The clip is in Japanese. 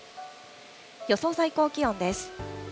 予想最高気温です。